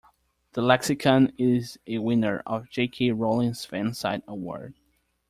The Lexicon is a winner of J. K. Rowling's Fan Site Award.